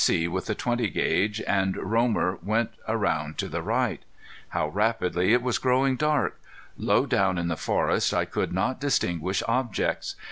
C. with the .20 gauge, and Romer, went around to the right. How rapidly it was growing dark! Low down in the forest I could not distinguish objects.